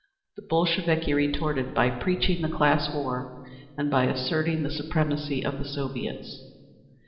The Bolsheviki retorted by preaching the class war, and by asserting the supremacy of the Soviets.